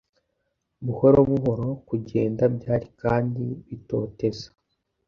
Buhoro buhoro kugenda byari kandi bitoteza